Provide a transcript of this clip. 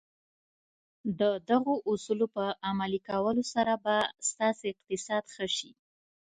د دغو اصولو په عملي کولو سره به ستاسې اقتصاد ښه شي.